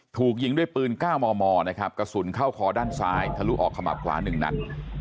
ถูกยิงด้วยปืน๙มมนะครับกระสุนเข้าคอด้านซ้ายทะลุออกขมับขวา๑นัด